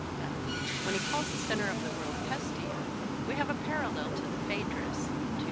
When he calls the centre of the world (Greek), we have a parallel to the Phaedrus.